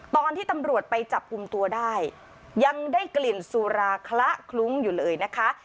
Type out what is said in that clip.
ตอนที่ตำรวจไปจับกลุ่มตัวได้ยังได้กลิ่นสุราคละคลุ้งอยู่เลยนะคะ